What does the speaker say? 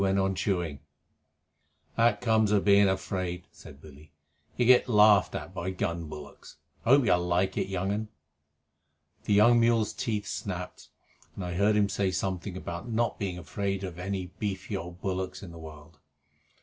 They went on chewing. "That comes of being afraid," said Billy. "You get laughed at by gun bullocks. I hope you like it, young un." The young mule's teeth snapped, and I heard him say something about not being afraid of any beefy old bullock in the world.